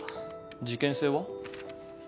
事件性は？